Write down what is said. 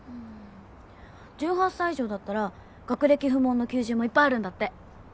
１８歳以上だったら学歴不問の求人もいっぱいあるんだって！